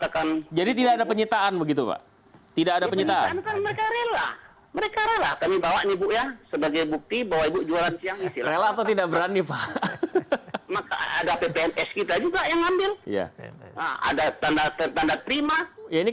kalau saya punya warung di padang